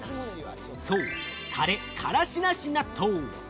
そう、「タレ・カラシなし」納豆。